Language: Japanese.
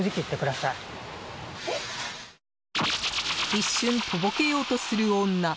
一瞬、とぼけようとする女。